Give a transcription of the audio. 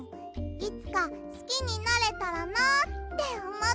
いつかすきになれたらなあっておもってかいたの。